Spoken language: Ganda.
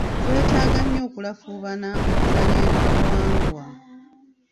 Twetaaga nnyo okulafuubana okumanya eby'obuwangwa.